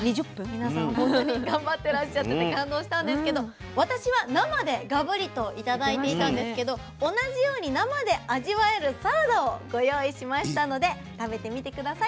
皆さん本当に頑張ってらっしゃってて感動したんですけど私は生でガブリと頂いていたんですけど同じように生で味わえるサラダをご用意しましたので食べてみて下さい。